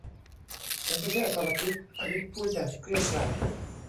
ฉันไม่ใช่อสรพิษ อลิซพูดอย่างเกรี้ยวกราด